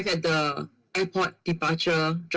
แต่เมื่อมันปล่อยมันออกไปฉันคิดว่า